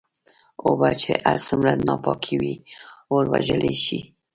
اوبه چې هرڅومره ناپاکي وي اور وژلی شې.